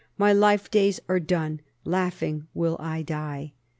My life days are done. Laughing will I die.